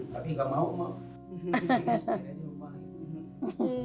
tapi gak mau mak